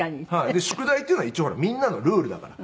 宿題っていうのは一応ほらみんなのルールだから。